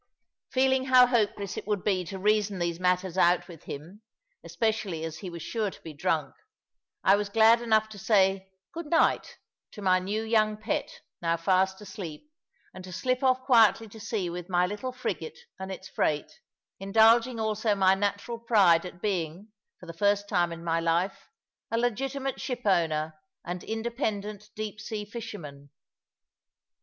Feeling how hopeless it would be to reason these matters out with him, especially as he was sure to be drunk, I was glad enough to say "Good night" to my new young pet, now fast asleep, and to slip off quietly to sea with my little frigate and its freight, indulging also my natural pride at being, for the first time in my life, a legitimate shipowner and independent deep sea fisherman.